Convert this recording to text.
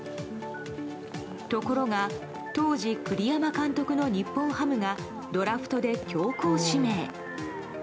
ところが当時栗山監督の日本ハムがドラフトで強行指名。